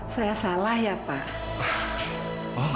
saya salah ya pak